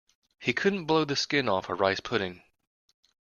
He couldn't blow the skin off a rice pudding.